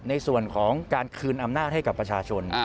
ในส่วนของการคืนอำนาจให้กับประชาชน